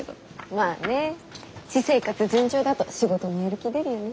まあね私生活順調だと仕事もやる気出るよね。